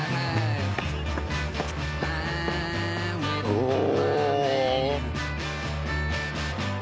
おお！